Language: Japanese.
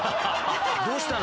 どうしたの？